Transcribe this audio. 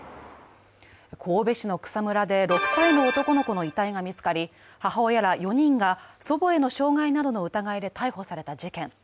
神戸市の草むらで６歳の男の子の遺体が見つかり母親ら４人が祖母への傷害などの疑いで逮捕された事件。